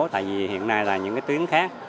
tại vì hiện nay là những tuyến khác